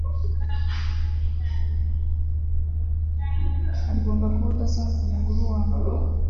Ugomba kuba udasanzwe kugirango ube uwambere.